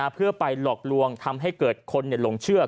เพื่อไปหลอกลวงทำให้เกิดคนหลงเชื่อ